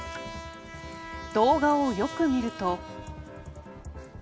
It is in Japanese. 動画をよく見ると。